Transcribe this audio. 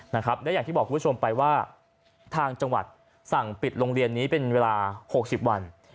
และอย่างที่บอกคุณผู้ชมไปว่าทางจังหวัดสั่งปิดโรงเรียนนี้เป็นเวลา๖๐วัน